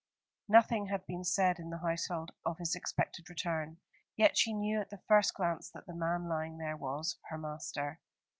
Nothing had been said in the household of his expected return: yet she knew at the first glance that the man lying there was her master.